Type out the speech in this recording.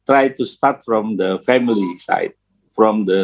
saya juga mencoba untuk memulai dari keluarga